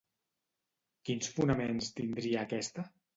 Quins fonaments tindria aquesta?